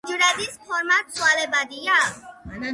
უჯრედის ფორმა ცვალებადია.